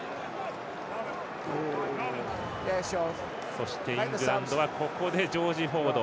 そしてイングランドはここでジョージ・フォード。